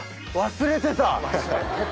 忘れてたよ。